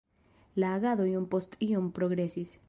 La agado iom post iom progresis.